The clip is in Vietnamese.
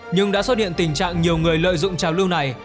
nhưng đã xuất hiện tình trạng nhiều người lợi dụng trào lưu này